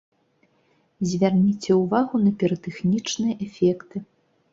Звярніце ўвагу на піратэхнічныя эфекты!